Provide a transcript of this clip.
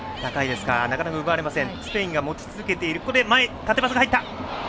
なかなか奪えません。